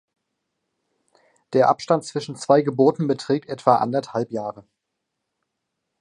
Der Abstand zwischen zwei Geburten beträgt etwa anderthalb Jahre.